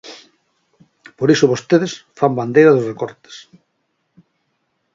Por iso vostedes fan bandeira dos recortes.